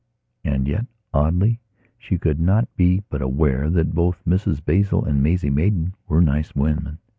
And yet, oddly, she could not but be aware that both Mrs Basil and Maisie Maidan were nice women.